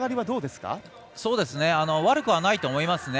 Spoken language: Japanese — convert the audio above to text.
悪くはないと思いますね。